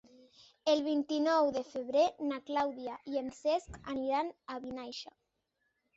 El vint-i-nou de febrer na Clàudia i en Cesc aniran a Vinaixa.